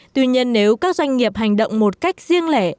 tuy nhiên nếu các doanh nghiệp hành động một cách riêng lẻ